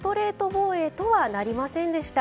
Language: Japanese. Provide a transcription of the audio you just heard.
防衛とはなりませんでした。